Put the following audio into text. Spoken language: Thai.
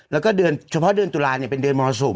แล้วก็เดือนเฉพาะเดือนตุลาเป็นเดือนมรสุม